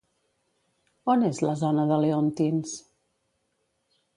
On és la zona de Leontins?